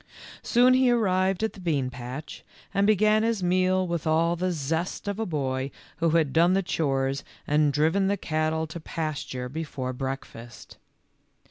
Soon he arrived at the bean patch, and be gan his meal with all the zest of a boy who had done the chores and driven the cattle to past ure before breakfast.